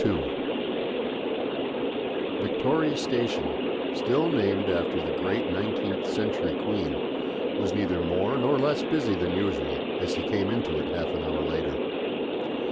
II Victoria Station, still named after the great nineteenth century Queen, was neither more nor less busy than usual as he came into it half an hour later.